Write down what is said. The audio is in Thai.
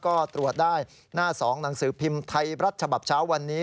ก็ตรวจได้หน้า๒หนังสือพิมพ์ไทยรัฐฉบับเช้าวันนี้